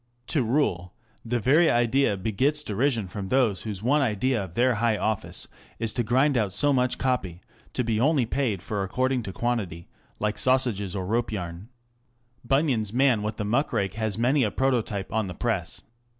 To rule ŌĆö the very idea begets derision from those whose one idea of their high office is to grind out so much copy, to be only paid for according to quantity, like sausages or rope yarn. Bunyan's man with the muck rake has many a prototype on the press.